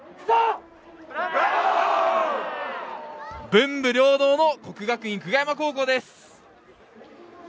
文武両道の國學院久我山高校です。